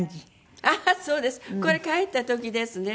これ帰った時ですね。